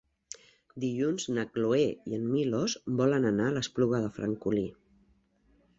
Dilluns na Cloè i en Milos volen anar a l'Espluga de Francolí.